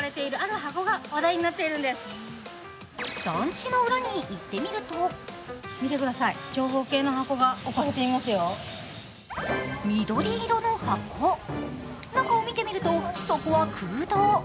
団地の裏に行ってみると緑色の箱、中を見てみるとそこは空洞。